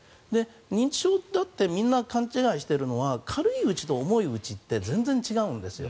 認知症ってみんな勘違いしているのは軽いうちと重いうちって全然違うんです。